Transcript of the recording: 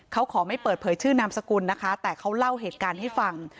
เขาขอไม่เปิดเผยชื่อนามสกุลนะคะแต่เขาเล่าเหตุการณ์ให้ฟัง